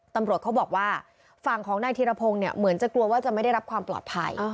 ตำรวจเขาบอกว่าฝั่งของนายธีรพงศ์เนี่ยเหมือนจะกลัวว่าจะไม่ได้รับความปลอดภัย